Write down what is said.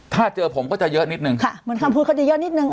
ถ้าเจอผมก็จะเยอะนิดนึงค่ะเหมือนคำพูดเขาจะเยอะนิดนึง